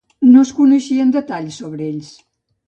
No es coneixen detalls sobre ells.